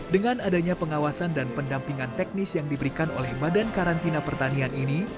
dengan adanya pengawasan dan pendampingan teknis yang diberikan oleh badan karantina pertanian ini